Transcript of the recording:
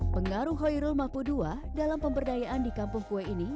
pengaruh hoirul mapudua dalam pemberdayaan di kampung kue ini